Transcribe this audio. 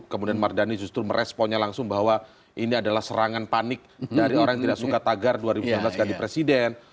kemudian mardani justru meresponnya langsung bahwa ini adalah serangan panik dari orang yang tidak suka tagar dua ribu sembilan belas ganti presiden